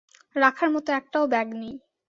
রাখার মতো একটাও ব্যাগ নেই।